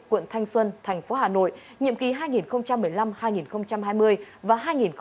quận thanh xuân thành phố hà nội nhiệm ký hai nghìn một mươi năm hai nghìn hai mươi và hai nghìn hai mươi hai nghìn hai mươi năm